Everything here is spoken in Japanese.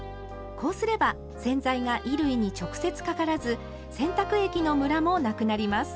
こうすれば洗剤が衣類に直接かからず洗濯液のムラもなくなります。